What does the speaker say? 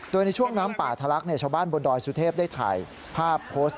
โดยในช่วงน้ำป่าทะลักชาวบ้านบนดอยสุเทพได้ถ่ายภาพโพสต์